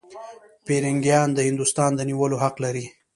پیرنګیان د هندوستان د نیولو حق لري.